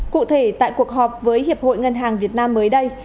cụ thể tại cuộc họp với hiệp hội ngân hàng việt nam mới đây